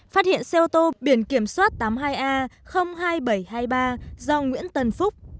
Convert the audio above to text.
phát hiện xe ô tô biển kiểm soát tám mươi hai a hai nghìn bảy trăm hai mươi ba do nguyễn tân phúc